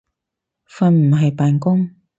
瞓唔係扮工